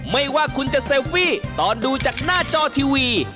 ไม่ว่าคุณจะเซลฟี่ตอนดูจากหน้าจอทีวี